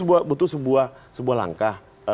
butuh sebuah langkah